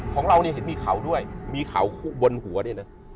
ของเราเนี่ยเห็นมีเขาด้วยมีเขาบนหัวด้วยนะ